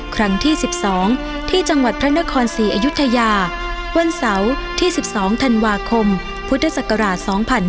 ครั้งที่๑๒ที่จังหวัดพระนครศรีอยุธยาวันเสาร์ที่๑๒ธันวาคมพุทธศักราช๒๕๕๙